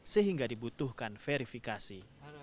sehingga dibutuhkan verifikasi